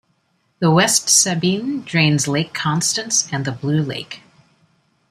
The West Sabine drains Lake Constance and the Blue Lake.